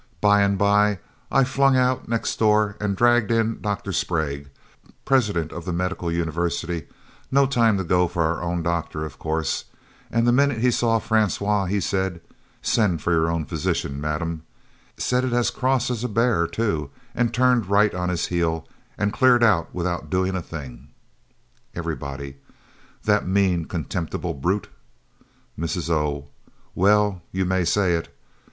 By and by I flung out next door and dragged in Dr. Sprague; President of the Medical University no time to go for our own doctor of course and the minute he saw Francois he said, 'Send for your own physician, madam;' said it as cross as a bear, too, and turned right on his heel, and cleared out without doing a thing!" Everybody "The mean, contemptible brute!" Mrs. O "Well you may say it.